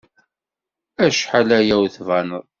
Acḥal aya ur d-tbaned.